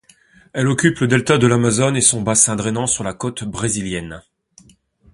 Elle occupe le delta de l'Amazone et son bassin drainant sur la côte brésilienne.